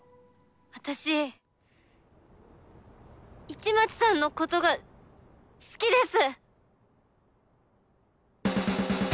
私市松さんのことが好きです！